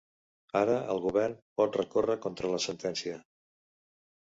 Ara el govern pot recórrer contra la sentència.